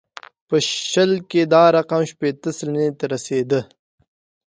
په شل کې دا رقم شپېته سلنې ته رسېده.